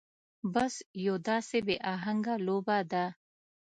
بس يو داسې بې اهنګه لوبه ده.